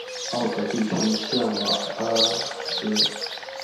奥格地区圣瓦阿斯。